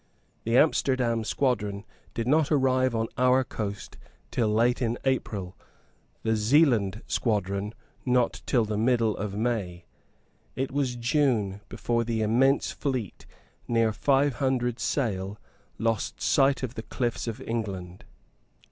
The Amsterdam squadron did not arrive on our coast till late in April; the Zealand squadron not till the middle of May. It was June before the immense fleet, near five hundred sail, lost sight of the cliffs of England.